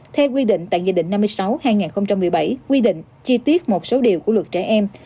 theo quy định tại nghị định năm mươi sáu hai nghìn một mươi bảy quy định chi tiết một số điều của luật trẻ em